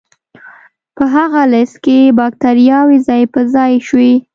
په هغه لست کې بکتریاوې ځای په ځای شوې.